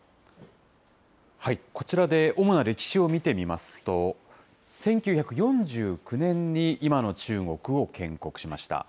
こちらで主な歴史を見てみますと、１９４９年に今の中国を建国しました。